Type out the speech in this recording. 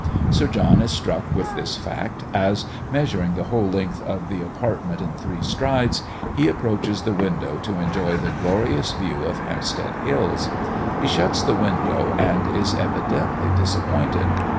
Sir John is struck with this fact, as, measuring the whole length of the apartment in three strides, he approaches the window to enjoy the glorious view of Hampstead hills. He shuts the window, and is evidently disappointed.